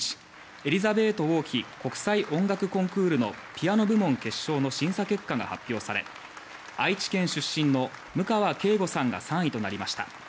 エリザベート王妃国際音楽コンクールのピアノ部門決勝の審査結果が発表され愛知県出身の務川慧悟さんが３位となりました。